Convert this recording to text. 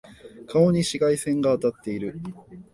顔に紫外線が当たってる。